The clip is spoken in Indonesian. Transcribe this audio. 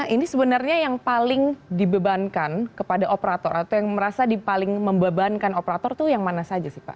ini sebenarnya yang paling dibebankan kepada operator atau yang merasa di paling membebankan operator itu yang mana saja sih pak